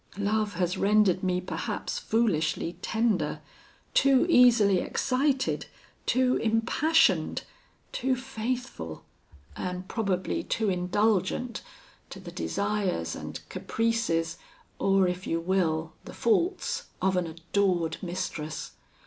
Love has rendered me perhaps foolishly tender too easily excited too impassioned too faithful, and probably too indulgent to the desires and caprices, or, if you will, the faults of an adored mistress.